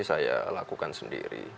saya lakukan sendiri